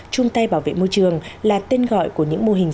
chung tay bảo vệ môi trường là tên gọi của những mô hình